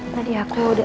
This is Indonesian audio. nanti aku udah